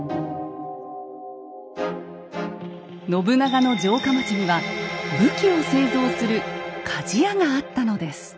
信長の城下町には武器を製造する鍛冶屋があったのです。